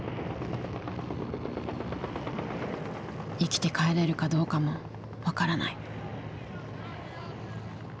生きて帰れるかどうかも分からない。